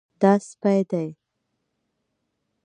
دا سپی دی